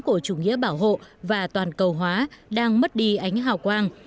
của chủ nghĩa bảo hộ và toàn cầu hóa đang mất đi ánh hào quang